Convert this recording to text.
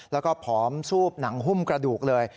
แล้วก็ผอมซูบหนังหุ้มกระดูกเลย